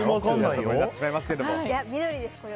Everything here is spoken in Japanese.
緑です、これは。